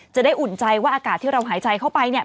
อุ่นใจว่าอากาศที่เราหายใจเข้าไปเนี่ย